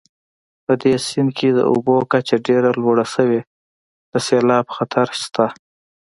په دې سیند کې د اوبو کچه ډېره لوړه شوې د سیلاب خطر شته